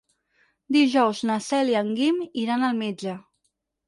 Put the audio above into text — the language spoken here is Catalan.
Dijous na Cel i en Guim iran al metge.